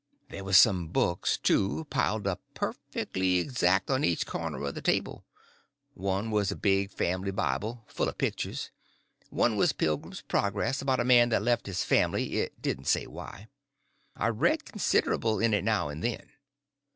There was some books, too, piled up perfectly exact, on each corner of the table. One was a big family Bible full of pictures. One was Pilgrim's Progress, about a man that left his family, it didn't say why. I read considerable in it now and then.